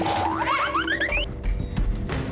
tidak ada yang bisa dihentikan